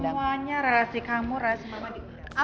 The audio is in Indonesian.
semuanya relasi kamu relasi mama dikira